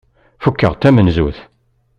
Fukkeɣ d tamenzut.